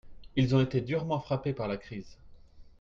Ils ont été durement frappé par la crise.